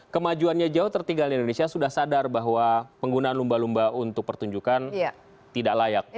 kemajuannya jauh tertinggal di indonesia sudah sadar bahwa penggunaan lumba lumba untuk pertunjukan tidak layak